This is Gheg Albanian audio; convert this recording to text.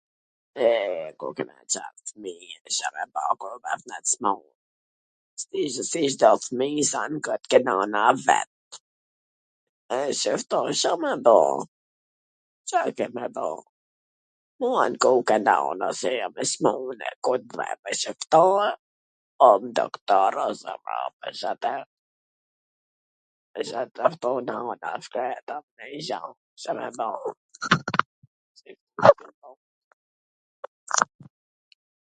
Eee, kur kena qan fmij, Ca me ba kur jena smun... si Cdo fmij a ankohet ke nona e vet, edhe qw ftohesha ma do,... Car ke me bo, m u anku ke nona se jam e smun e ku t vete qw ktu . o n doktor ... isha e ftohun un e shkreta dhe nigjo... Ca me than...